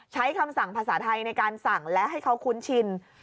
ใช้คำสั่งภาษาไทยในการสั่งและให้เขาคุ้นชิน